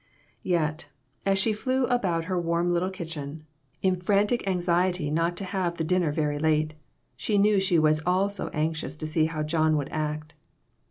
Yet, as she flew about her warm little kitchen, A SMOKY ATMOSPHERE. 83 in frantic anxiety not to have the dinner very late, she knew she was also anxious to see how John would act.